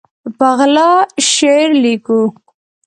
په غلا شعر لیکو